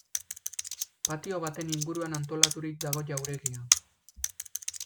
Patio baten inguruan antolaturik dago jauregia.